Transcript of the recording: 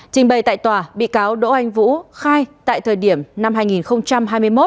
trình bày tại tòa bị cáo đỗ anh vũ khai tại thời điểm năm hai nghìn hai mươi một